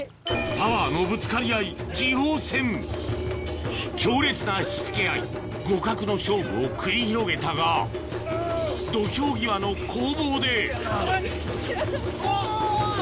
パワーのぶつかり合い次鋒戦強烈な引きつけ合い互角の勝負を繰り広げたが土俵際の攻防でおっ！